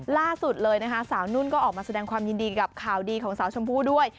ล่าสุดเลยนะคะสาวนุ่นก็ออกมาแสดงความยินดีกับข่าวดีของสาวชมพู่ด้วย